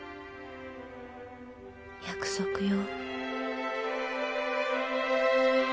約束よ。